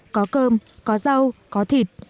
có cơm có rau có thịt